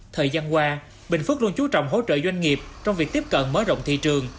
thời gian qua bình phước luôn chú trọng hỗ trợ doanh nghiệp trong việc tiếp cận mở rộng thị trường